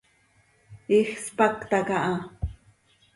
Iij spacta caha.